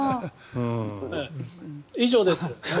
以上です。